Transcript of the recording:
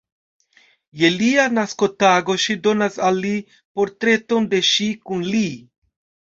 Je lia naskotago ŝi donas al li portreton de ŝi kun li.